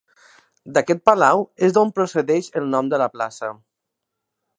D'aquest palau és d'on procedeix el nom de la plaça.